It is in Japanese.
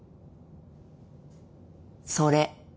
それ。